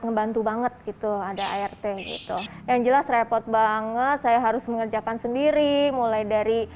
ngebantu banget gitu ada art gitu yang jelas repot banget saya harus mengerjakan sendiri mulai dari